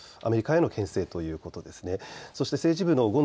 アメリカへのけん制ということですね。